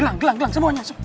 gelang gelang gelang semuanya